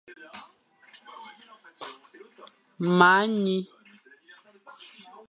Me nyi,